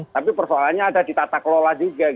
tapi persoalannya ada di tata kelola juga